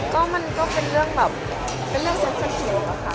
ก็มันก็เป็นเรื่องแบบเป็นเรื่องเซ็กซาเขียวอะค่ะ